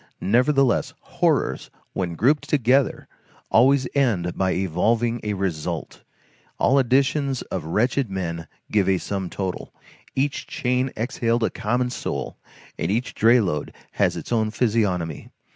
Nevertheless, horrors, when grouped together, always end by evolving a result; all additions of wretched men give a sum total, each chain exhaled a common soul, and each dray load had its own physiognomy.